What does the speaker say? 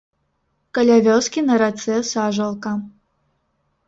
Каля вёскі на рацэ сажалка.